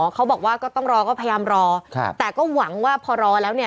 เขาบอกว่าก็ต้องรอก็พยายามรอแต่ก็หวังว่าพอรอแล้วเนี่ย